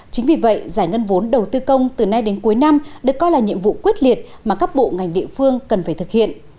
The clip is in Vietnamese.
chính vì vậy giải ngân vốn đầu tư công từ nay đến cuối năm được coi là nhiệm vụ quyết liệt mà các bộ ngành địa phương cần phải thực hiện